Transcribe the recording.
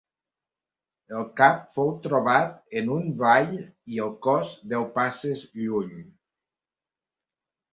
El cap fou trobat en un vall, i el cos, deu passes lluny.